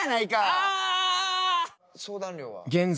ああ！